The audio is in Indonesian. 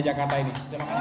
pemilu bdk jakarta ini